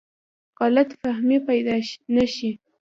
غلط فهمۍ پیدا نه شي.